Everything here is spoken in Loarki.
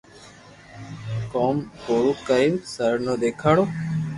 ڪوم پورو ڪرين سر نو دآکارو